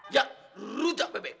ya rujak bebek